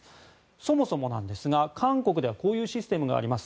そもそも、韓国ではこういうシステムがあります。